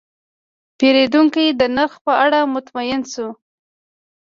پیرودونکی د نرخ په اړه مطمین شو.